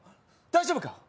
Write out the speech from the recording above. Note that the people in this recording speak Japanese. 大丈夫か？